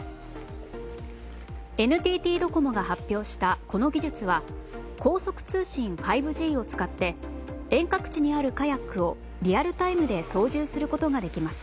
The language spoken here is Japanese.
ＮＴＴドコモが発表したこの技術は高速通信・５Ｇを使って遠隔地にあるカヤックをリアルタイムで操縦することができます。